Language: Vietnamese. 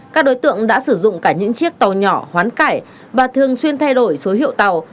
các đối tượng đã sử dụng cả những chiếc tàu nhỏ hoán cải và thường xuyên thay đổi số hiệu tàu